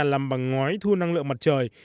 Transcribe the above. làm bằng ngói thu năng lượng mặt trời